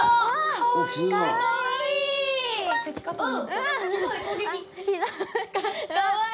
かわいい。